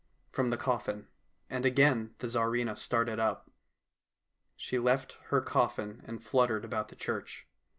from the coffin, and again the Tsarivna started up. She left her coffin and fluttered about the church.